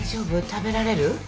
食べられる？